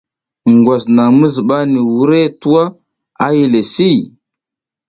Ngwas naƞ mi zuɓa ni wurehe tuwa a yile si.